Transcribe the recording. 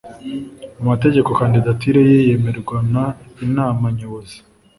mu mategeko kandidatire ye yemerwa n Inama Nyobozi